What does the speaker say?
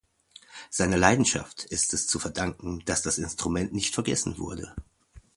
Seiner Leidenschaft ist es zu verdanken, dass das Instrument nicht vergessen wurde.